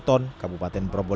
tunai apa gimana bu